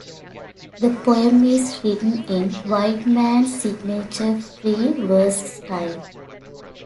The poem is written in Whitman's signature free verse style.